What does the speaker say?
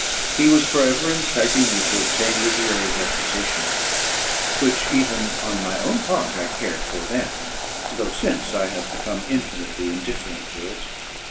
He was for ever inciting me to obtain literary reputation, which even on my own part I cared for then, though since I have become infinitely indifferent to it.